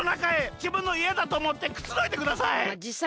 じぶんのいえだとおもってくつろいでください！